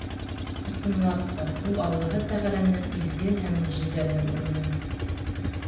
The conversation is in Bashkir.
Ысынлап та, ул — Аллаһы Тәғәләнең изге һәм мөғжизәле урыны.